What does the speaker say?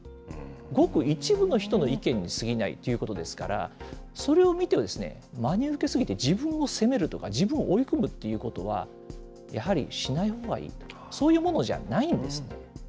ごく一部の人の意見にすぎないということですから、それを見て真に受け過ぎて自分を責めるとか、自分を追い込むとかっていうのは、やはりしないほうがいい、そういうものじゃないんです。